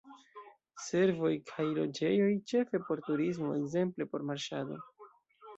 Servoj kaj loĝejoj, ĉefe por turismo, ekzemple por marŝado.